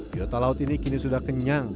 biota laut ini kini sudah kenyang